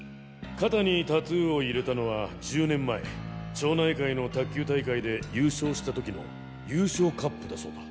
肩にタトゥーを入れたのは１０年前町内会の卓球大会で優勝した時の優勝カップだそうだ。